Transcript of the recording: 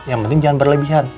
yang penting jangan berlebihan